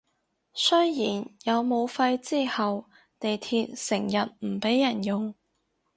雖然有武肺之後地鐵成日唔畀人用